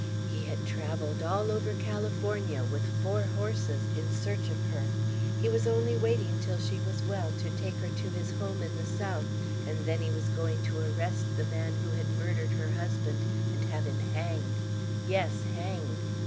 He had travelled all over California, with four horses, in search of her. He was only waiting till she was well, to take her to his home in the south; and then he was going to arrest the man who had murdered her husband, and have him hanged, yes, hanged!